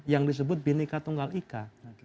yang disebut bineka tunggal ika